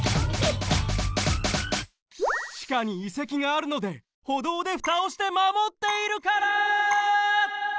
地下に遺跡があるので歩道でふたをしてまもっているから！